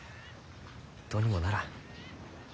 どうにもならん。